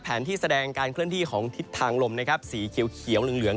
ที่แสดงการเคลื่อนที่ของทิศทางลมนะครับสีเขียวเหลือง